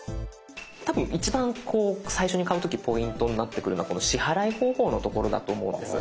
多分一番最初に買う時ポイントになってくるのはこの支払い方法のところだと思うんです。